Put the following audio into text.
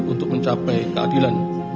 untuk mencapai keadilan